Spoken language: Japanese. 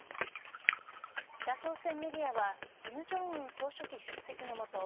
北朝鮮メディアは金正恩総書記出席のもと